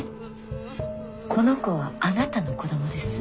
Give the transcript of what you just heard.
この子はあなたの子どもです。